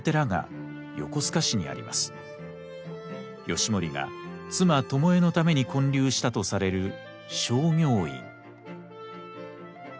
義盛が妻巴のために建立したとされる正行院。